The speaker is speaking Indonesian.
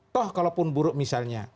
toh kalau pun buruk misalnya